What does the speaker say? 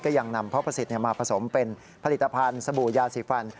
ยังนำเพราะประสิทธิ์มาผสมเป็นผลิตภัณฑ์สบู่ยาสีฟัน